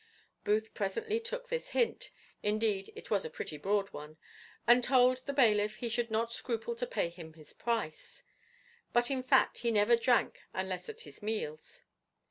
Booth presently took this hint indeed it was a pretty broad one and told the bailiff he should not scruple to pay him his price; but in fact he never drank unless at his meals.